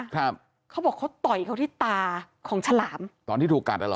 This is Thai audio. เขาบอกเขาต่อยเขาที่ตาของฉลามตอนที่ถูกกัดอ่ะเหรอ